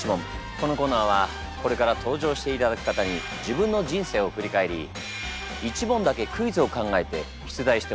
このコーナーはこれから登場していただく方に自分の人生を振り返り一問だけクイズを考えて出題してもらいます。